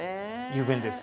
雄弁です。